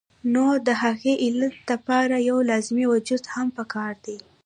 نو د هغې علت د پاره يو لازمي وجود هم پکار دے